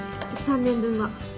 ３年分は。